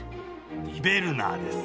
ベルナーです。